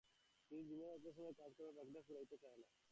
দিনের মধ্যে অতি অল্প সময়ই কাজ-কর্মে কাটে, বাকি সময়টা ফুরাইতে চায় না।